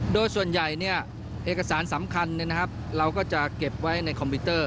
โดยส่วนใหญ่เอกสารสำคัญเราก็จะเก็บไว้ในคอมพิวเตอร์